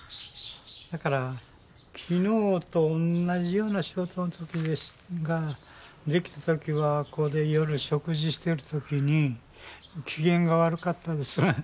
だから昨日と同じような仕事ができた時はここで夜食事している時に機嫌が悪かったですね。